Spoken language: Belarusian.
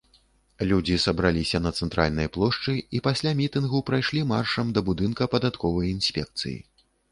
Людзі сабраліся на цэнтральнай плошчы і пасля мітынгу прайшлі маршам да будынка падатковай інспекцыі.